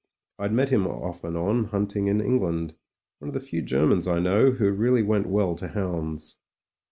I'd met him off and on hunting in England — one of the few Ger mans I know who really went well to hounds.